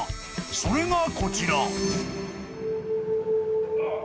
それがこちら］